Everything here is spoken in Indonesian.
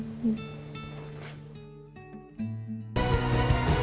untuk membuat aku baik seperti kamu tak perlu jadi dgn hujan